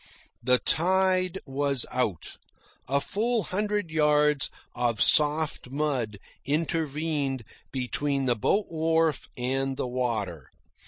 The tide was out. A full hundred yards of soft mud intervened between the boat wharf and the water.